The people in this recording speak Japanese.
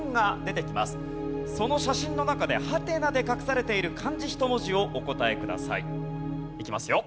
その写真の中でハテナで隠されている漢字１文字をお答えください。いきますよ。